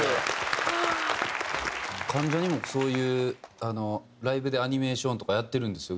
関ジャニもそういうライブでアニメーションとかやってるんですよ